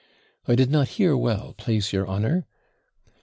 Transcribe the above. I did not hear well, plase your honour.'